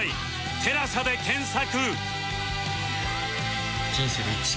「テラサ」で検索